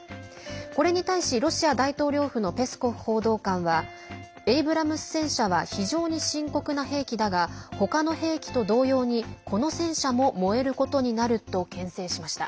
これに対し、ロシア大統領府のペスコフ報道官はエイブラムス戦車は非常に深刻な兵器だが他の兵器と同様にこの戦車も燃えることになるとけん制しました。